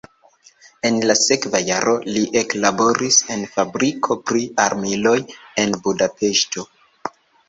En la sekva jaro li eklaboris en fabriko pri armiloj en Budapeŝto.